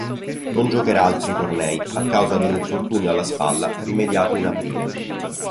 Non giocherà altri tornei a causa di un infortunio alla spalla rimediato in aprile.